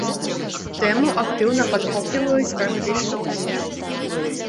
Тэму актыўна падхопліваюць практычна ўсе.